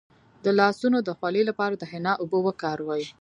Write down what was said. د لاسونو د خولې لپاره د حنا اوبه وکاروئ